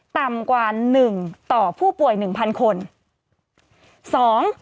ต่ำกว่า๑ต่อผู้ป่วย๑๐๐๐คน